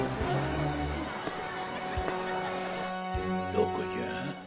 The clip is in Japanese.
どこじゃ？